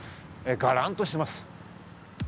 がらんとしています。